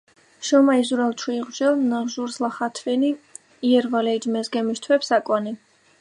შომა̈ჲ, ზურალ ჩუ იღვჟალ, ნაღვჟურს ლახ ათვენი, ჲერვალე ეჯ მეზგემიშ თვეფს აკვანე.